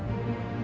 pergi ke sana